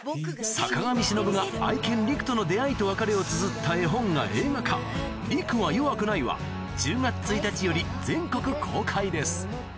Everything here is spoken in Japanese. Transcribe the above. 坂上忍が愛犬リクとの出会いと別れをつづった絵本が映画化『リクはよわくない』は１０月１日より全国公開です